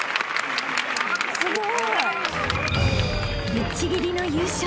［ぶっちぎりの優勝！］